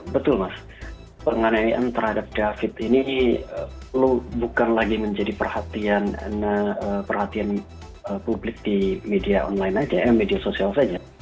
betul mas penganiayaan terhadap david ini bukan lagi menjadi perhatian publik di media sosial saja